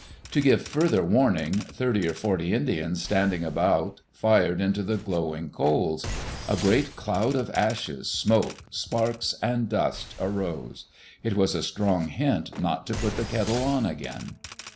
To give further warning, thirty or forty Indians standing about fired into the glowing coals. A great cloud of ashes, smoke, sparks, and dust arose. It was a strong hint not to put the kettle on again.